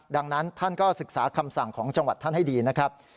ดังนั้นท่านก็ศึกษาคำสั่งของจังหวัดท่านให้ดีนะครับ